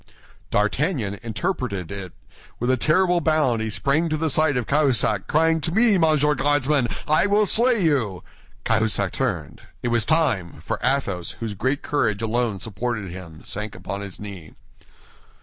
D'Artagnan interpreted it; with a terrible bound he sprang to the side of Cahusac, crying, "To me, Monsieur Guardsman; I will slay you!" Cahusac turned. It was time; for Athos, whose great courage alone supported him, sank upon his knee.